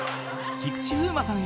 ［菊池風磨さん